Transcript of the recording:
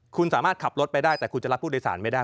คุณสามารถขับรถไปได้แต่คุณจะรับผู้โดยสารไม่ได้